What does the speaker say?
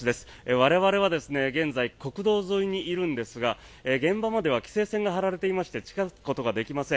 我々は現在、国道沿いにいるんですが現場までは規制線が張られていまして近付くことができません。